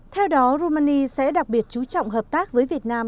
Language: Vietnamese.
theo đó romani sẽ đặc biệt chú trọng hợp tác với việt nam